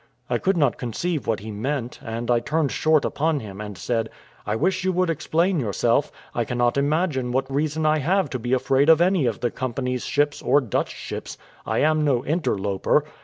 I could not conceive what he meant; and I turned short upon him, and said: "I wish you would explain yourself; I cannot imagine what reason I have to be afraid of any of the company's ships, or Dutch ships. I am no interloper.